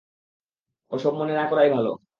ওসব মনে না করাই ভালো।